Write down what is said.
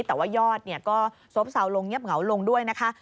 แต่ว่ายอดก็ซบเซาลงเงียบเหงาลงด้วยนะคะ